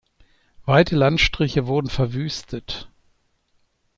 Weite Landstriche wurden verwüstet.